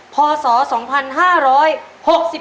พศ๒๕๖๖นะครับ